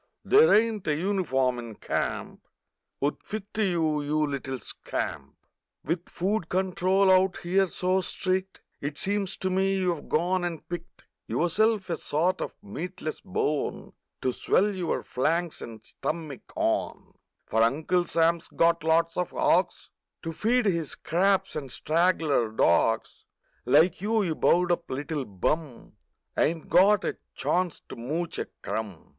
There ain't a uniform in camp 'Ould fit to you, you little scamp f With food control out here so strict It seems to me you've gone and picked Yourself a sort o' meatless bone To swell your flanks and stummick on, For Uncle Sam's got lots o r hogs To feed his scraps, and straggler dogs Like you, you bowed up little hum, Ain't got a chance to mooch a crumb!